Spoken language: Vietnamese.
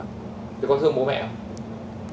thế có thương bố mẹ không